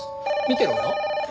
見てろよ。